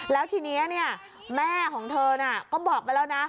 แล้วทีนี้แม่ของเธอก็บอกไปแล้วนะ